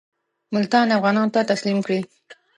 ملتان افغانانو ته تسلیم کړي.